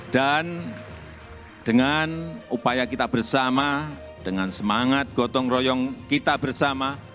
dan dengan upaya kita bersama dengan semangat gotong royong kita bersama